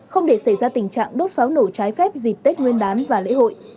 không để xảy ra tình trạng đốt pháo nổ trái phép dịp tết nguyên đán và lễ hội